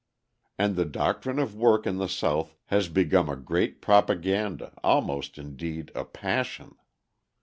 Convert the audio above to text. And the doctrine of work in the South has become a great propaganda, almost, indeed, a passion.